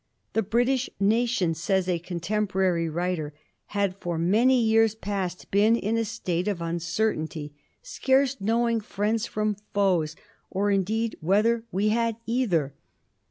' The British nation,' says a contemporary writer, * had for many years past been in a state of uncertainty, scarce knowing friends from foes, or indeed whether we had either.'